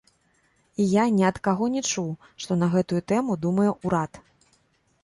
І я ні ад каго не чуў, што на гэтую тэму думае ўрад.